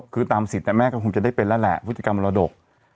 คือตามสิทธิ์แม่ก็คงจะได้เป็นแล้วแหละพฤติกรรมมรดก